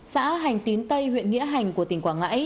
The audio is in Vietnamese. xã hành tín tây huyện nghĩa hành của tỉnh quảng ngãi